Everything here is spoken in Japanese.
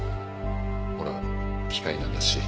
ほら機械なんだし。